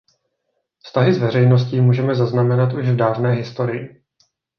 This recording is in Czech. Vztahy s veřejností můžeme zaznamenat už v dávné historii.